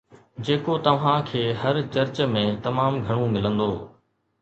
جيڪو توهان کي هر چرچ ۾ تمام گهڻو ملندو